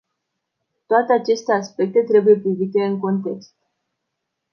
Toate aceste aspecte trebuie privite în context.